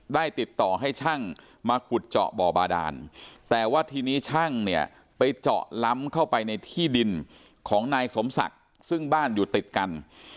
ได้ติดต่อให้ช่างมาขุดเจาะบ่อบาดานแต่ว่าทีนี้ช่างเนี่ยไปเจาะล้ำเข้าไปในที่ดินของนายสมศักดิ์ซึ่งบ้านอยู่ติดกัน